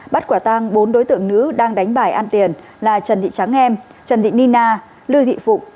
bắt quả tang bốn đối tượng nữ đang đánh bài ăn tiền là trần thị trắng em trần thị nina lưu thị phụng